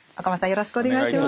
よろしくお願いします。